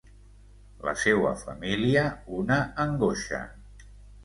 La seua família, una angoixa.